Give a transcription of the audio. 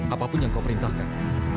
apapun yang kau perintahkan